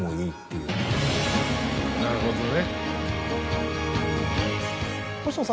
なるほどね。